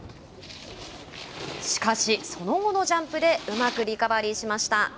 しかし、その後のジャンプでうまくリカバリーしました。